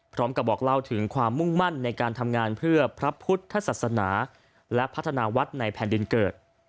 บอกเล่าถึงความมุ่งมั่นในการทำงานเพื่อพระพุทธศาสนาและพัฒนาวัดในแผ่นดินเกิด